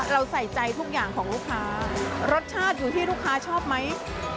เราใส่ใจทุกอย่างของลูกค้ารสชาติอยู่ที่ลูกค้าชอบไหม